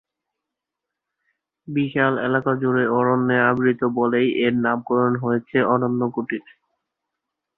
বিশাল এলাকাজুড়ে অরণ্যে আবৃত বলেই এর নামকরণ হয়েছে অরণ্য কুটির।